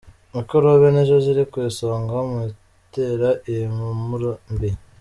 Mikorobe nizo ziri ku isonga mu bitera iyi mpumuro mbi.